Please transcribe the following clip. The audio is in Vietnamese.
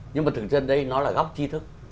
nhưng mà thường xuyên đây nó là góc chi thức